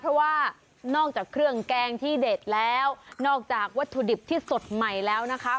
เพราะว่านอกจากเครื่องแกงที่เด็ดแล้วนอกจากวัตถุดิบที่สดใหม่แล้วนะคะ